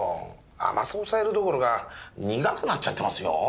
甘さ抑えるどころか苦くなっちゃってますよ。